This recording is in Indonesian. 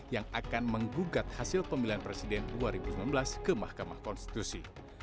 yang akan menggugat hasil pemilihan presiden dua ribu sembilan belas ke mahkamah konstitusi